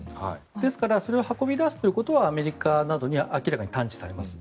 ですからそれを運び出すことはアメリカなどに明らかに探知されます。